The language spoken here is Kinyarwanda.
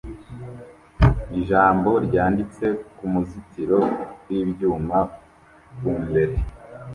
ijambo ryanditse kumuzitiro wibyuma kumbere.